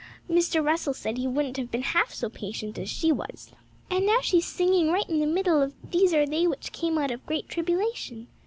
Mr. Russell said he wouldn't have been half so patient as she was. And now she is singing right in the middle of "these are they which came out of great tribulation."